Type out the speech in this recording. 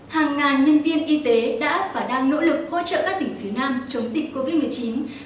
hàng ngàn nhân viên y tế đã và đang nỗ lực hỗ trợ các tỉnh phía nam chống dịch covid một mươi chín